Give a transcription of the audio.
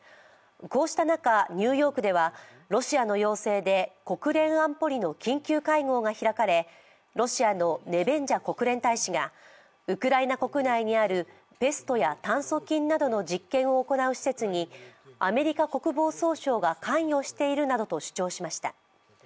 こうした中、ニューヨークではロシアの要請で国連安保理の緊急会合が開かれロシアのネベンジャ国連大使がウクライナ国内にあるペストや炭疽菌などの実験を行う施設にアメリカ国防総省が関与しているなどと主張しました。